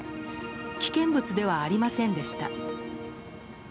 危険物ではありませんでした。